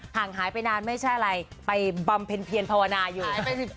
ห่างหายไปนานไม่ใช่อะไรไปบำเพ็ญเพียรภาวนาอยู่